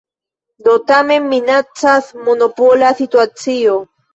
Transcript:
Do tamen minacas monopola situacio.